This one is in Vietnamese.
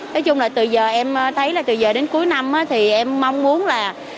nói chung là từ giờ em thấy là từ giờ đến cuối năm thì em mong muốn là